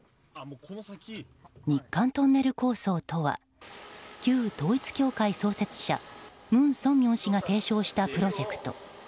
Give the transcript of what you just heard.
日韓トンネル構想とは旧統一教会創設者文鮮明氏が提唱したプロジェクト。